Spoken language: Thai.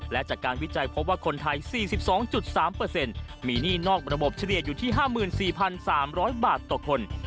และจากการวิจัยพบว่าคนไทย๔๒๓มีหนี้นอกระบบเฉลี่ยอยู่ที่๕๔๓๐๐บาทต่อคน